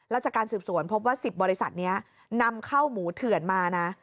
แล้วจากการสืบสวนพบว่า๑๐บริษัทนี้นำเข้าหมูเถื่อนมานะ